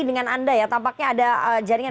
dengan anda ya tampaknya ada jaringan